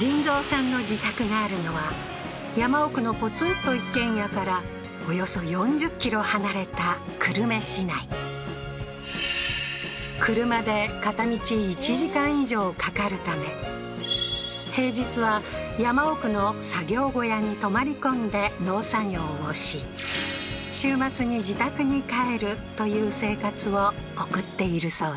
林三さんの自宅があるのは山奥のポツンと一軒家からおよそ４０ｋｍ離れた久留米市内車で片道１時間以上かかるため平日は山奥の作業小屋に泊まり込んで農作業をし週末に自宅に帰るという生活を送っているそうだ